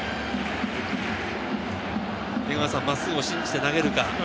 江川さん、真っすぐを信じて投げるか。